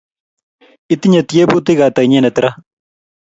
Itinye tyebutik ata inyendet ra?